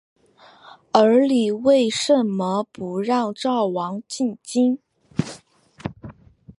而你为甚么不让赵王进京？